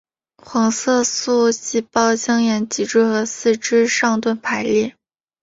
黄色素细胞将沿脊椎和四肢上端排列。